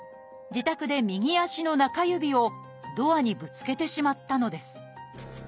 自宅で右足の中指をドアにぶつけてしまったのです。